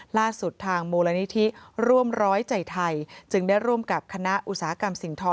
ล่าสุดทางมูลนิธิร่วมร้อยใจไทยจึงได้ร่วมกับคณะอุตสาหกรรมสิ่งทอ